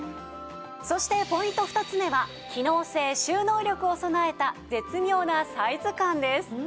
そしてポイント２つ目は機能性収納力を備えた絶妙なサイズ感です。